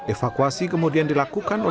evakuasi kemudian dilakukan